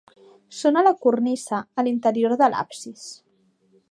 Són a la cornisa a l'interior de l'absis.